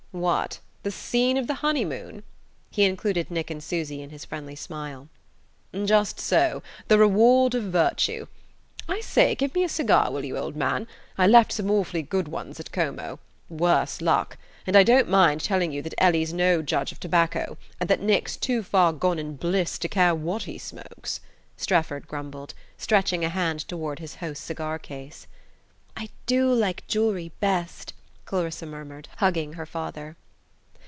"What the scene of the honey moon?" He included Nick and Susy in his friendly smile. "Just so: the reward of virtue. I say, give me a cigar, will you, old man, I left some awfully good ones at Como, worse luck and I don't mind telling you that Ellie's no judge of tobacco, and that Nick's too far gone in bliss to care what he smokes," Strefford grumbled, stretching a hand toward his host's cigar case. "I do like jewellery best," Clarissa murmured, hugging her father.